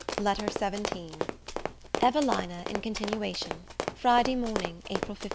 LETTER XVII EVELINA IN CONTINUATION Friday Morning, April 15.